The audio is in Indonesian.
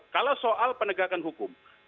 kalau soal penegakan hukum